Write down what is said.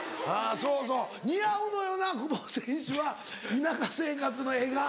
そうそう似合うのよな久保選手は田舎生活の画が。